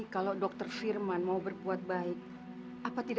kau sudah ingin menukuberkan rumah anda